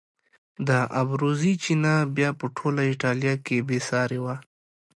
د ابروزي چینه بیا په ټوله ایټالیا کې بې سارې وه.